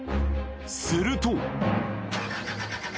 すると。